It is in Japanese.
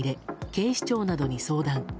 警視庁などに相談。